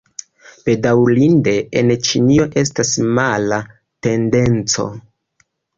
Bedaŭrinde, en Ĉinio estas mala tendenco.